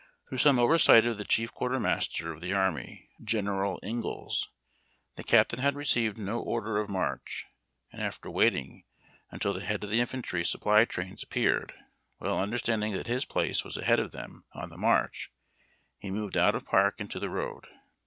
Through some oversight of the chief quartermaster of the army, General Ingalls, the captain had received no order of march, and after waiting until the head of the infantry sup ])\y trains appeared, well understanding that his place was ahead of them on the march, he moved out of park into the road.